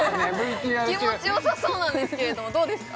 気持ちよさそうなんですけれどもどうですか？